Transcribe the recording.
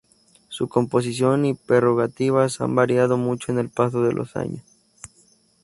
Su composición y prerrogativas han variado mucho con el paso de los años.